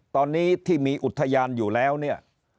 ตอนนี้ที่มีอุทยานอยู่แล้วเนี่ย